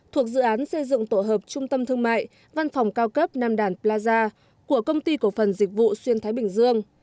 thuộc dự án xây dựng tổ hợp trung tâm thương mại văn phòng cao cấp nam đàn plaza của công ty cổ phần dịch vụ xuyên thái bình dương